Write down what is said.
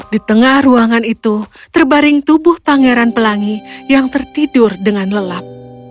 di tengah ruangan itu terbaring tubuh pangeran pelangi yang tertidur dengan lelap